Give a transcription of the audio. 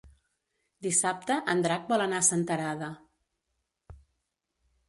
Dissabte en Drac vol anar a Senterada.